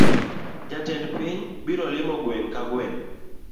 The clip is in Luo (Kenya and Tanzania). Jatend piny biro limo gweng’ ka gweng’